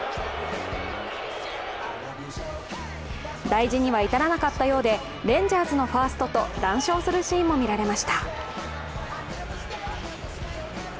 大事には至らなかったようでレンジャーズのファーストと談笑するシーンも見られました。